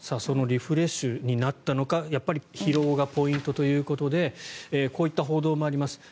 リフレッシュになったのか疲労がポイントということでこういった報道もあります。